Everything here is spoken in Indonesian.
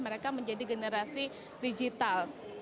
mereka menjadi generasi digital